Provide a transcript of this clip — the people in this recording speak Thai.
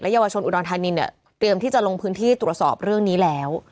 เยาวชนอุดรธานีเนี่ยเตรียมที่จะลงพื้นที่ตรวจสอบเรื่องนี้แล้ว